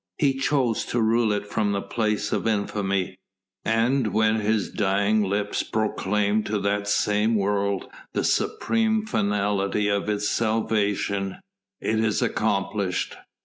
He chose to rule it from a place of infamy, and when His dying lips proclaimed to that same world the supreme finality of its salvation: "It is accomplished!"